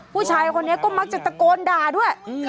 ผู้ชายคนนี้ก็มักจะตะโกนด่าด้วย